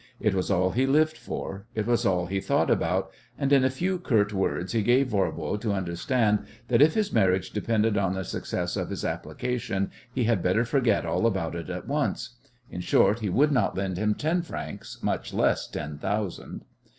It was all he lived for; it was all he thought about; and in a few curt words he gave Voirbo to understand that if his marriage depended on the success of his application he had better forget all about it at once. In short, he would not lend him ten francs, much less ten thousand.